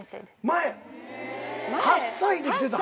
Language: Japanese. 前８歳で来てたん？